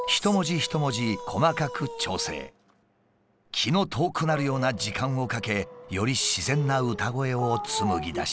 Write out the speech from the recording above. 気の遠くなるような時間をかけより自然な歌声を紡ぎ出している。